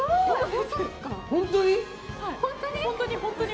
本当に？